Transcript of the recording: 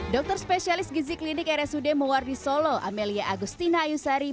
dokter spesialis gizi klinik rsud mewardi solo amelia agustina ayusari